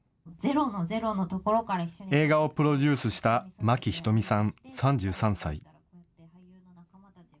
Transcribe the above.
映画をプロデュースした舞木ひと美さん、３３歳。